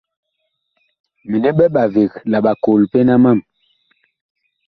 Mini ɓɛ ɓaveg la ɓakol pena mam.